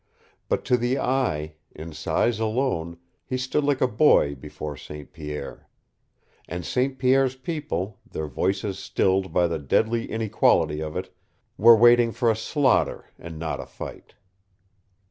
But to the eye, in size alone, he stood like a boy before St. Pierre. And St. Pierre's people, their voices stilled by the deadly inequality of it, were waiting for a slaughter and not a fight.